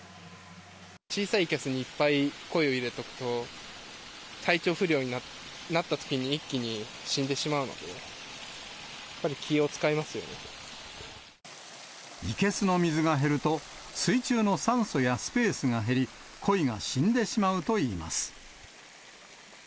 小さい生けすにいっぱいコイを入れとくと、体調不良になったときに、一気に死んでしまうので、生けすの水が減ると、水中の酸素やスペースが減り、コイが死んでしまうといいます。